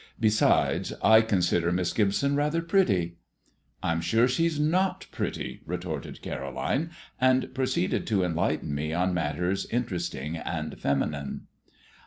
Besides, I consider Miss Gibson rather pretty." "I'm sure she's not pretty," retorted Caroline, and proceeded to enlighten me on matters interesting and feminine.